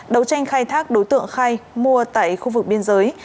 đấu tranh khai thác đối tượng khai mua tại khu vực biên giới